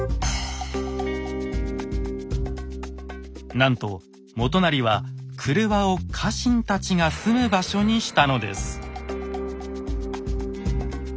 なんと元就は郭を家臣たちが住む場所にしたのです。